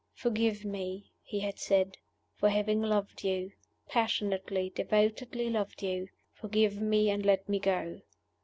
"Forgive me," he had said, "for having loved you passionately, devotedly loved you. Forgive me, and let me go."